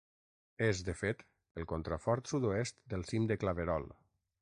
És, de fet, el contrafort sud-oest del cim de Claverol.